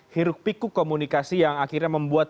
hiruk pikuk komunikasi yang akhirnya membuat